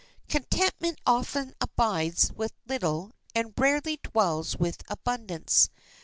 Contentment often abides with little, and rarely dwells with abundance.